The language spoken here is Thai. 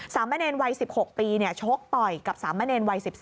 สามะเนรวัย๑๖ปีโชคปล่อยกับสามะเนรวัย๑๔